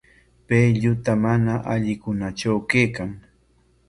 Pay lluta mana allikunatraw kaykan.